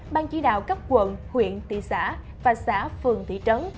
ban chỉ đạo các quận huyện thị xã và xã phường thị trấn